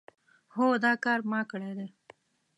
هو دا کار ما کړی دی.